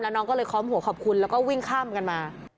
น้องก็เลยค้อมหัวขอบคุณแล้วก็วิ่งข้ามกันมา